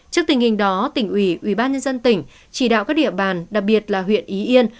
trước tình hình đó tỉnh ủy ủy ban nhân dân tỉnh chỉ đạo các địa bàn đặc biệt là huyện ý yên